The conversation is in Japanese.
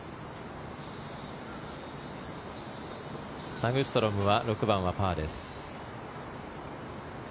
サグストロムは６番はパーです。